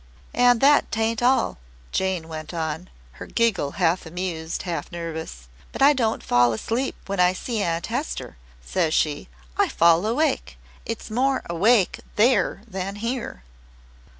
"And that ain't all," Jane went on, her giggle half amused, half nervous. "'But I don't fall asleep when I see Aunt Hester,' says she. 'I fall awake. It's more awake there than here.'